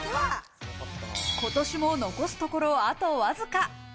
今年も残すところ、あとわずか。